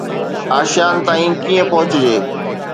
آشيان تائين ڪيئن پهچجي؟